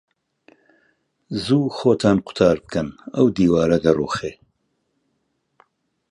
زوو خۆتان قوتار بکەن، ئەو دیوارە دەڕووخێ.